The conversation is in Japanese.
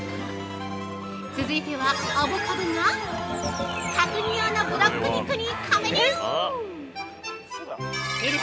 ◆続いてはアボカドが角煮用のブロック肉にカメレオン。